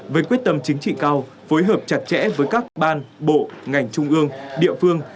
với quyết tâm chính trị cao phối hợp chặt chẽ với các ban bộ ngành trung ương địa phương